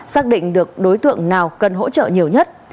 xác định được đối tượng nào cần hỗ trợ nhiều nhất